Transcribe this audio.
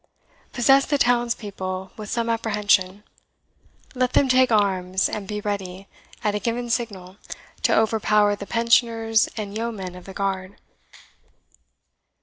Possess the townspeople with some apprehension; let them take arms, and be ready, at a given signal, to overpower the Pensioners and Yeomen of the Guard."